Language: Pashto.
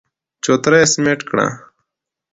چوتره يې سمټ کړه.